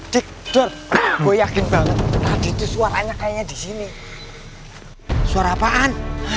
cik dur gue yakin banget tadi tuh suaranya kayaknya disini suara apaan